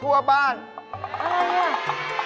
อะไรนี่